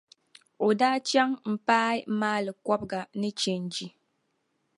O daa chaŋ m-paai maali kɔbiga ni changi.